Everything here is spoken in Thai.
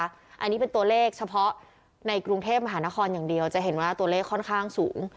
อันนี้เป็นตัวเลขเฉพาะในกรุงเทพมหานครอย่างเดียวจะเห็นว่าตัวเลขค่อนข้างสูง